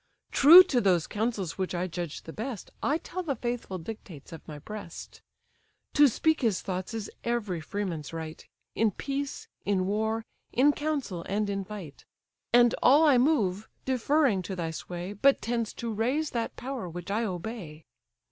True to those counsels which I judge the best, I tell the faithful dictates of my breast. To speak his thoughts is every freeman's right, In peace, in war, in council, and in fight; And all I move, deferring to thy sway, But tends to raise that power which I obey.